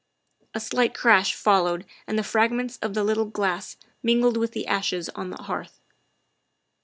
A slight crash followed and the fragments of the little glass mingled with the ashes on the hearth.